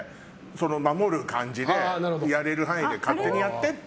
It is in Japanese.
守る感じで、やれる範囲で勝手にやってって。